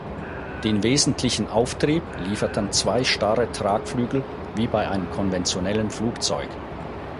Den wesentlichen Auftrieb lieferten zwei starre Tragflügel wie bei einem konventionellen Flugzeug.